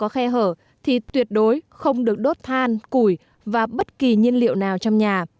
khe hở thì tuyệt đối không được đốt than củi và bất kỳ nhiên liệu nào trong nhà